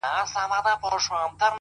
باور د بریا لومړنی قدم دی؛